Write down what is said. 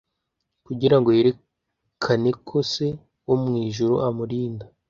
kugira ngo yerekane ko Se wo mu ijuru amurinda,